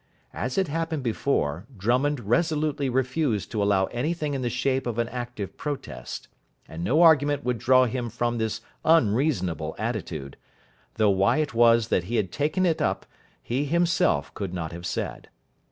As had happened before, Drummond resolutely refused to allow anything in the shape of an active protest, and no argument would draw him from this unreasonable attitude, though why it was that he had taken it up he himself could not have said.